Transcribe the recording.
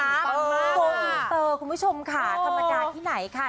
โกอินเตอร์คุณผู้ชมค่ะธรรมดาที่ไหนค่ะ